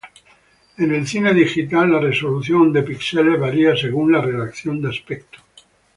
En el cine digital, la resolución de píxeles varía según la relación de aspecto.